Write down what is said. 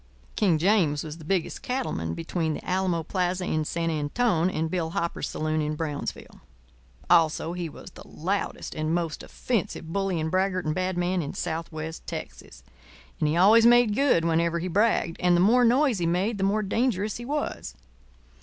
King James was the biggest cattleman between the Alamo plaza in San Antone and Bill Hopper's saloon in Brownsville. Also he was the loudest and most offensive bully and braggart and bad man in southwest Texas. And he always made good whenever he bragged; and the more noise he made the more dangerous he was.